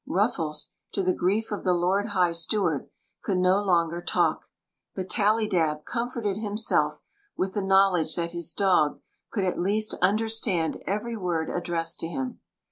Ruffles, to the grief of the lord high steward, could no longer talk; but Tallydab comforted himself with the knowledge that his dog could at least understand every vord addressed to him.